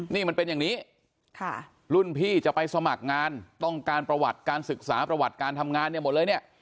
นี่มันเป็นอย่างนี้รุ่นพี่จะไปสมัครงานต้องการประวัติการศึกษาประวัติการทำงานเนี่ยหมดเลยเนี่ย